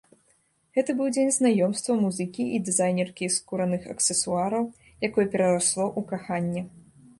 Гэта быў дзень знаёмства музыкі і дызайнеркі скураных аксесуараў, якое перарасло ў каханне.